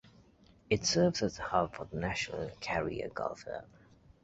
It serves as the hub for the national carrier Gulf Air.